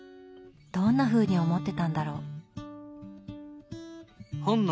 どんなふうに思ってたんだろう？